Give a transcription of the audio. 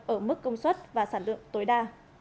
ở mức công suất và sản lượng tối đa